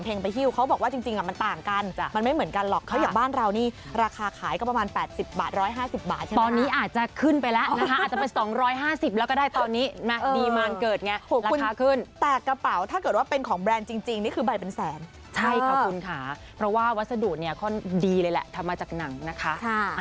แบรนด์จริงนี่คือใบปันแสนใช่ค่ะคุณขาเพราะว่าวัสดุเนี่ยค่อนดีเลยแหละทำมาจากหนังนะคะ